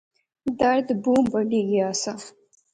درد بہوں بدھی گیا سا